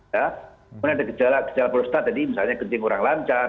kemudian ada gejala prostat tadi misalnya kencing kurang lancar